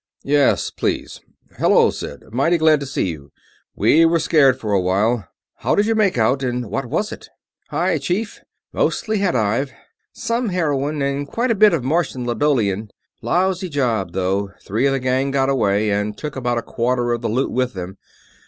"Yes, please.... Hello, Sid; mighty glad to see you we were scared for a while. How did you make out, and what was it?" "Hi, Chief! Mostly hadive. Some heroin, and quite a bit of Martian ladolian. Lousy job, though three of the gang got away, and took about a quarter of the loot with them.